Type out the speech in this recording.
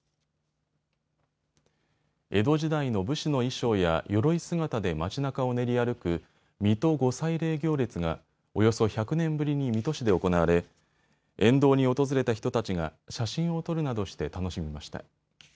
江戸時代の武士の衣装やよろい姿で街なかを練り歩く水戸御祭禮行列がおよそ１００年ぶりに水戸市で行われ、沿道に訪れた人たちが写真を撮るなどして楽しみました。